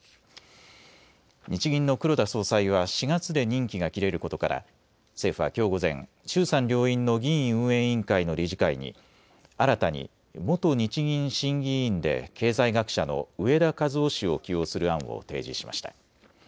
日銀の黒田総裁は４月で任期が切れることから政府はきょう午前、衆参両院の議院運営委員会の理事会に新たに元日銀審議委員で経済学者の植田和男氏を起用する案を提示しました。